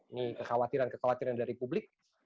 ini kekhawatiran kekhawatiran dari publik